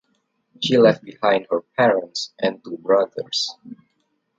She left behind her parents and two brothers.